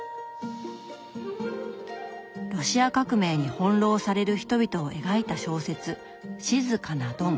ロシア革命に翻弄される人々を描いた小説「静かなドン」